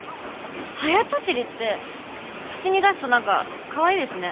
早とちりって口に出すと何かかわいいですね。